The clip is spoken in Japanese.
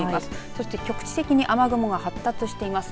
そして局地的に雨雲が発達しています。